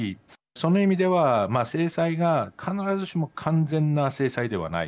そんな意味では制裁が必ずしも完全な制裁ではない。